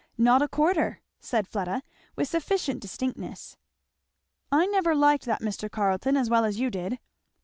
not a quarter," said Fleda with sufficient distinctness. "I never liked that Mr. Carleton as well as you did."